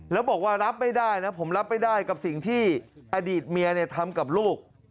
แล้วบอกว่ารับไม่ได้นะผมรับไม่ได้กับสิ่งที่อดีตเมียทำกับลูก